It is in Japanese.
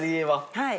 はい。